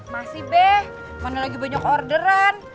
masih deh mana lagi banyak orderan